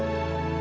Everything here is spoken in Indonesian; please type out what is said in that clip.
mau saya semak